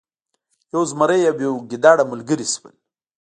یو زمری او یو ګیدړه ملګري شول.